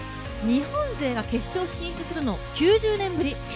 日本勢が決勝に進出するの９０年ぶり！